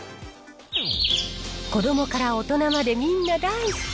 子どもから大人までみんな大好き。